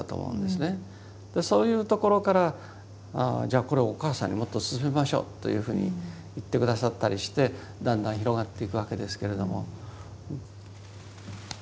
そういうところからじゃあこれお母さんにもっと薦めましょうというふうに言って下さったりしてだんだん広がっていくわけですけれども。